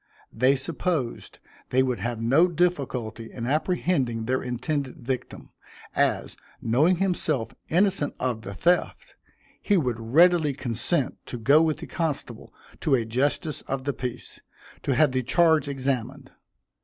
They supposed they would have no difficulty in apprehending their intended victim, as, knowing himself innocent of the theft, he would readily consent to go with the constable to a justice of the peace, to have the charge examined.